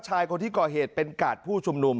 ชายคนที่ก่อเหตุเป็นกาดผู้ชุมนุม